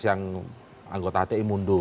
yang anggota hti